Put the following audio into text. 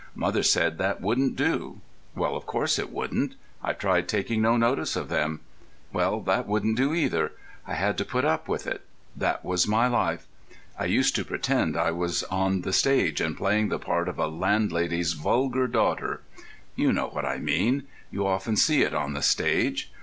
Mother said that wouldn't do. Well, of course, it wouldn't. I tried taking no notice of them. Well, that wouldn't do either. I had to put up with it; that was my life.... I used to pretend I was on the stage and playing the part of a landlady's vulgar daughter. You know what I mean; you often see it on the stage.